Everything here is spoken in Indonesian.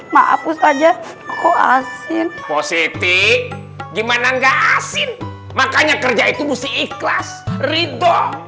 maaf saja kok asin posisi gimana enggak asin makanya kerja itu musti ikhlas ridho